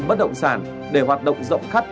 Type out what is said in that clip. bất động sản để hoạt động rộng khắc